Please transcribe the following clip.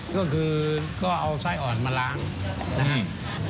ก็คือก็เอาไส้อ่อนมาล้างนะครับ